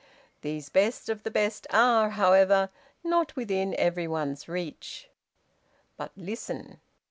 These best of the best are, however, not within every one's reach. But, listen!